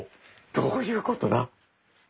どういうことだ。